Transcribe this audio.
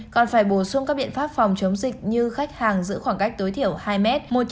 còn phải bổ sung các biện pháp phòng chống dịch như khách hàng giữ khoảng cách tối thiểu hai mét